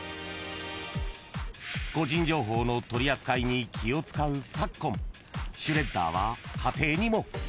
［個人情報の取り扱いに気を使う昨今シュレッダーは］